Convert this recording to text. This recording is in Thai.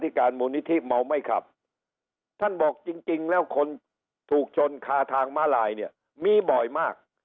การมูลนิธิเมาไม่ขับท่านบอกจริงจริงแล้วคนถูกชนคาทางมาลายเนี่ยมีบ่อยมาก